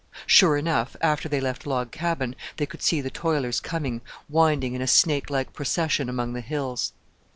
Sure enough, after they left Log Cabin, they could see the toilers coming, winding in a snake like procession among the hills.